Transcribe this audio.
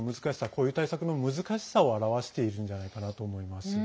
こういう対策の難しさを表しているんじゃないかなと思います。